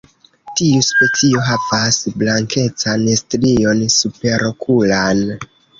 Tiu specio havas blankecan strion superokulan.